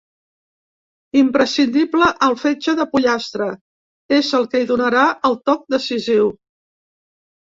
Imprescindible el fetge de pollastre: és el que hi donarà el toc decisiu.